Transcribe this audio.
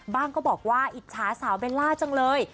ก็บอกว่าอิจฉาสาวเบลล่าจังเลย